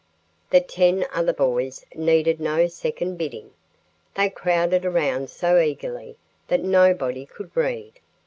The ten other boys needed no second bidding. They crowded around so eagerly that nobody could read.